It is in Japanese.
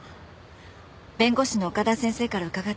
弁護士の岡田先生から伺ってます。